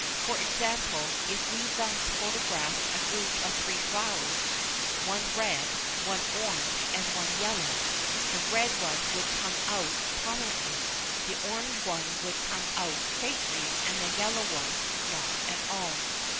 For example, if we thus photographed a group of three flowers, one red, one orange and one yellow, the red one would come out prominently, the orange one would come out faintly, and the yellow one not at all.